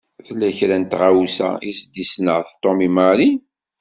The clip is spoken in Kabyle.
Tella kra n tɣawsa i s-d-isenɛet Tom i Mary.